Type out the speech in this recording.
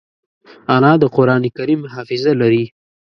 انا د قرانکریم حافظه لري